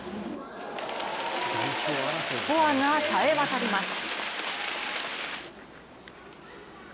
フォアがさえ渡ります。